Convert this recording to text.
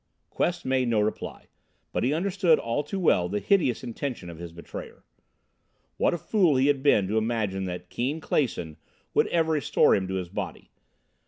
Quest made no reply, but he understood all too well the hideous intention of his betrayer. What a fool he had been to imagine that Keane Clason would ever restore him to his body!